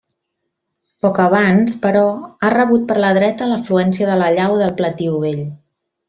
Poc abans, però, ha rebut per la dreta l'afluència de la llau del Pletiu Vell.